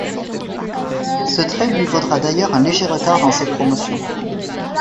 Ce trait lui vaudra d'ailleurs un léger retard dans ses promotions.